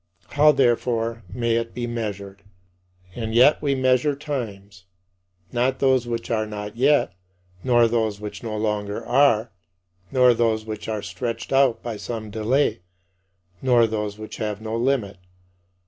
How, therefore, may it be measured? And yet we measure times; not those which are not yet, nor those which no longer are, nor those which are stretched out by some delay, nor those which have no limit.